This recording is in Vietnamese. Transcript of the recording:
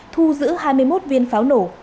thu giữ hai mươi một viên pháo nổ